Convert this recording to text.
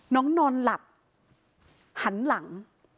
นอนหลับหันหลัง